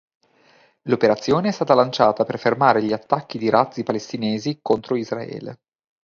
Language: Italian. L'operazione è stata lanciata per fermare gli attacchi di razzi palestinesi contro Israele.